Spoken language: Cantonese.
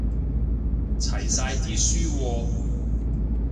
齊晒啲書喎